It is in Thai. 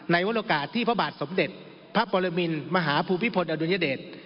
ในวรโอกาสที่พระบาทสมเด็จพระปรมินมหาภูมิพลอดุญเดช